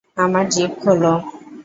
আমার জিপ খোলো!